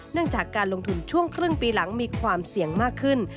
จากการลงทุนช่วงครึ่งปีหลังมีความเสี่ยงมากขึ้น